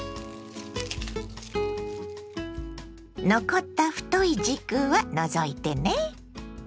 残った太い軸は除いてね。